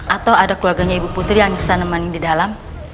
atau ada keluarganya ibu putri yang bisa nemenin di dalam